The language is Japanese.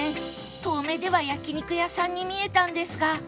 遠目では焼肉屋さんに見えたんですが